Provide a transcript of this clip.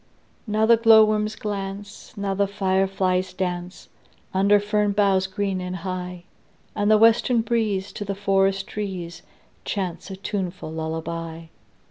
Now the glowworms glance, Now the fireflies dance, Under fern boughs green and high; And the western breeze To the forest trees Chants a tuneful lullaby.